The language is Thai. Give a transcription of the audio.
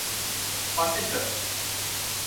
ฝันไปเถิด !